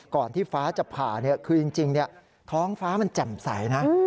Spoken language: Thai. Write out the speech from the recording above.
ที่ฟ้าจะผ่าคือจริงท้องฟ้ามันแจ่มใสนะ